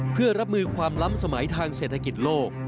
เพื่อรับมือความล้ำสมัยทางเศรษฐกิจโลก